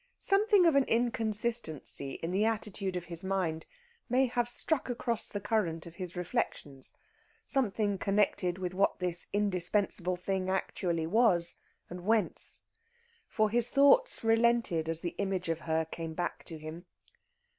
Something of an inconsistency in the attitude of his mind may have struck across the current of his reflections something connected with what this indispensable thing actually was and whence for his thoughts relented as the image of her came back to him.